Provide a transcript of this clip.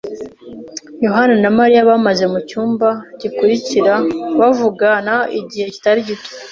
yohani na Mariya bamaze mucyumba gikurikira bavugana igihe kitari gito.